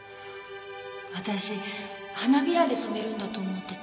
私花びらで染めるんだと思ってた。